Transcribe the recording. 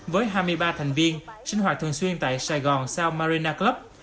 với hai mươi ba thành viên sinh hoạt thường xuyên tại sài gòn sao marina club